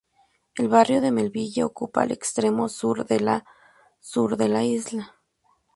El barrio de Melville ocupa el extremo sur de la sur de la isla.